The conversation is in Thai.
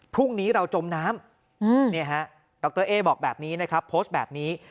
พรุ่งนี้เราจมน้ำดรเอ๊บอกแบบนี้นะครับโพสต์แบบนี้